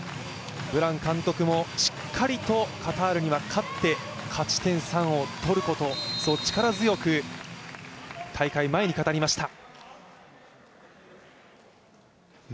ブラン監督もしっかりとカタールには勝って勝ち点３を取ることそう力強く大会前に語りました。